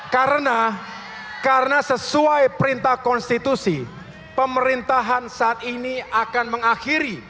karena karena sesuai perintah konstitusi pemerintahan saat ini akan mengakhiri